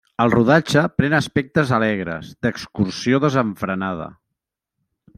El rodatge pren aspectes alegres, d'excursió desenfrenada.